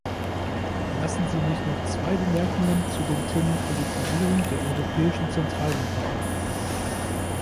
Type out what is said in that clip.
Lassen Sie mich noch zwei Bemerkungen zu dem Thema Politisierung der Europäischen Zentralbank machen.